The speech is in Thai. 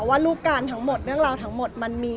ว่ารูปการณ์ทั้งหมดเรื่องราวทั้งหมดมันมี